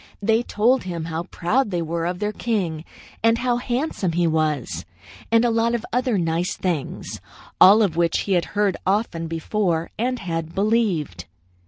They told him how proud they were of their king, and how handsome he was, and a lot of other nice things, all of which he had heard often before and had believed.